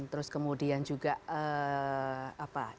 terus kemudian juga apa